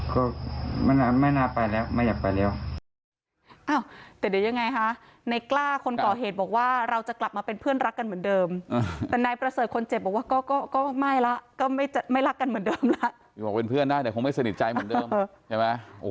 ก็ไม่น่าไปแล้วไม่อยากไปแล้ว